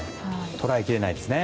捉えきれないですね。